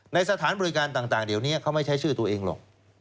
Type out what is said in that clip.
สถานบริการต่างเดี๋ยวนี้เขาไม่ใช้ชื่อตัวเองหรอก